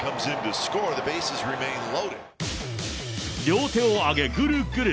両手を挙げ、ぐるぐる。